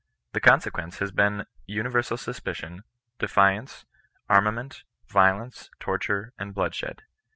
The conse quence has been universal suspicion, defiance, armar ment, violence, torture, and bloodshed.